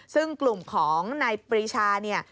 ซึ่งกลุ่มของนายปรีชาเนี่ย